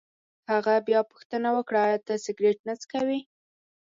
هغه بیا پوښتنه وکړه: ایا ته سګرېټ نه څکوې؟